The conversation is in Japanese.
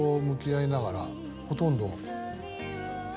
ほとんど。